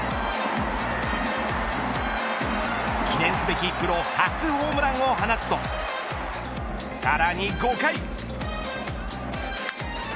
記念すべき、プロ初ホームランを放つとさらに５回。